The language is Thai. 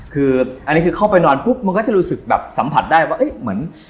คืออันนี้คือเข้าไปนอนปุ๊บมันก็จะรู้สึกแบบสัมผัสได้ว่าเอ๊ะเหมือน